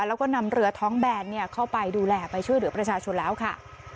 แล้วก็นำเรือท้องแบนเข้าไปดูแลไปช่วยเหลือประชาชนแล้วค่ะ